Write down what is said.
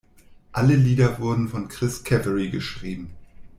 Alle Lieder wurden von Chris Caffery geschrieben.